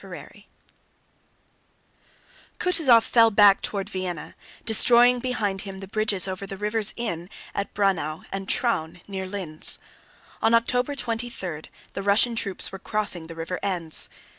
CHAPTER VI Kutúzov fell back toward Vienna, destroying behind him the bridges over the rivers Inn (at Braunau) and Traun (near Linz). On October 23 the Russian troops were crossing the river Enns.